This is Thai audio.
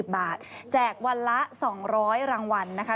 สวัสดีค่าข้าวใส่ไข่